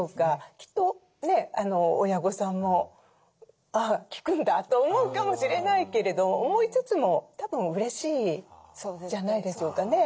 きっとね親御さんも「あ聞くんだ」と思うかもしれないけれど思いつつもたぶんうれしいじゃないでしょうかね。